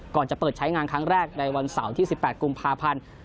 ก่อนจะเปิดใช้งานครั้งแรกในวันเสาร์ที่๑๘กุมภาพันธ์